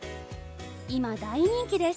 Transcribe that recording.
今大人気です。